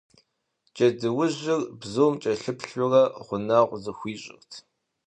Джэдуужьыр бзум кӀэлъыплъурэ, гъунэгъу зыхуищӀырт.